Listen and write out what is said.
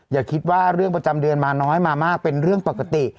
อย่าคิดว่าเรื่องประจำเดือนมาน้อยมามากเป็นเรื่องปกติ